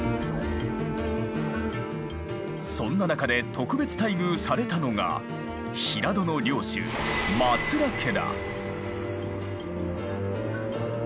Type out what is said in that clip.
そんな中で特別待遇されたのが平戸の領主松浦家だ。